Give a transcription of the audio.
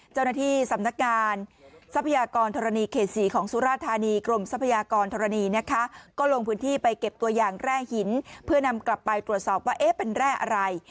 เจ้าหน้าที่สำนักงานทรัพยากรธรณีเขต๔ของสุราธานีกรมทรัพยากรธรณีนะคะก็ลงพื้นที่ไปเก็บตัวอย่างแร่หินเพื่อนำกลับไปตรวจสอบว่าเอ๊ะเป็นแร่อะไร